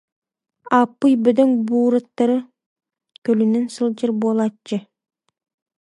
Ааппый бөдөҥ буураттары көлүнэн сылдьар буолааччы